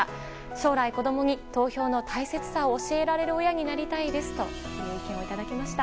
将来、子供に投票の大切さを教えられる親になりたいですという意見をいただきました。